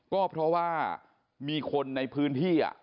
ก็เพราะว่ามีคนในพื้นที่